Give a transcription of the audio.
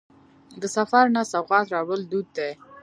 د سفر نه سوغات راوړل دود دی.